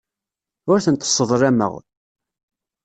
Ur tent-sseḍlameɣ.